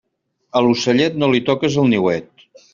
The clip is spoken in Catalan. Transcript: A l'ocellet, no li toques el niuet.